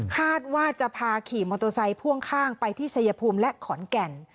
คาดว่าจะพาขี่มอเตอร์ไซค์พ่วงข้างไปที่ชัยภูมิและขอนแก่น